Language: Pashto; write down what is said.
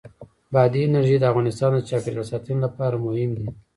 بادي انرژي د افغانستان د چاپیریال ساتنې لپاره مهم دي.